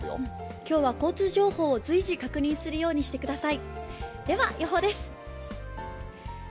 今日は交通情報を随時、確認するようにしてください。